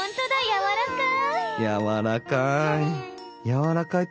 やわらかい。